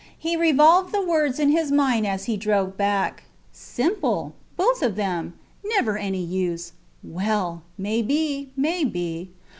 He revolved the words in his mind as he drove back. Simple! Both of them. ... Never any use! ... Well! May be, may be.